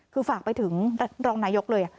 คือฝากไปถึงรองนายกเลย